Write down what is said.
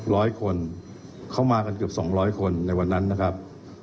ร้อยคนเข้ามากันเกือบสองร้อยคนในวันนั้นนะครับ